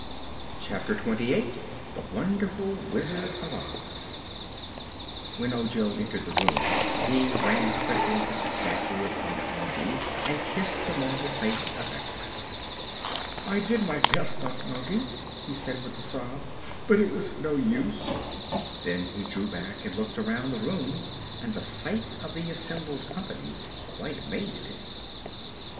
Chapter Twenty Eight The Wonderful Wizard of Oz When Ojo entered the room he ran quickly to the statue of Unc Nunkie and kissed the marble face affectionately. "I did my best, Unc," he said, with a sob, "but it was no use!" Then he drew back and looked around the room, and the sight of the assembled company quite amazed him.